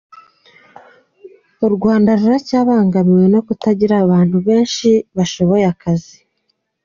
U Rwanda ruracyabangamiwe no kutagira abantu benshi bashoboye akazi.